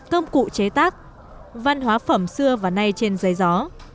công cụ chế tác văn hóa phẩm xưa và nay trên giấy gió